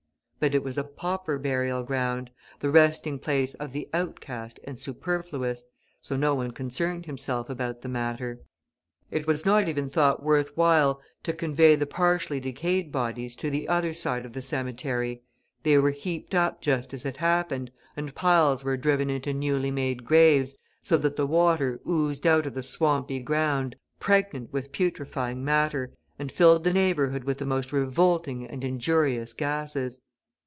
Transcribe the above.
But it was a pauper burial ground, the resting place of the outcast and superfluous, so no one concerned himself about the matter. It was not even thought worth while to convey the partially decayed bodies to the other side of the cemetery; they were heaped up just as it happened, and piles were driven into newly made graves, so that the water oozed out of the swampy ground, pregnant with putrefying matter, and filled the neighbourhood with the most revolting and injurious gases.